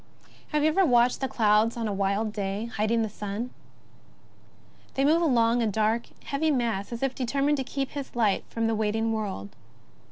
Have you ever watched the clouds on a wild day hid ing the sun ? They move along, a dark, heavy mass, as if determined to keep his light from the waiting world.